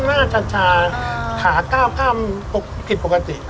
หน้าชาขาข้ามผิดปกติ